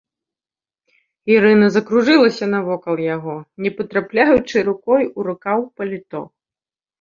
Ірына закружылася навокал яго, не патрапляючы рукой у рукаў паліто.